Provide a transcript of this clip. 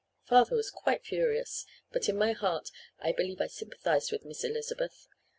Father was quite furious; but in my heart I believe I sympathized with Miss Elizabeth.